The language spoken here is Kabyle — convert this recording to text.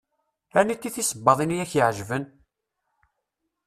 Aniti tisebbaḍin i ak-iɛeǧben?